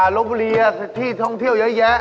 ล๊อคบุรีอ่ะที่ท่องเที่ยวเยอะ